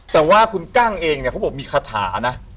แต่ว่าคุณกั้งเองเนี่ยเขาบอกมีคาถานะ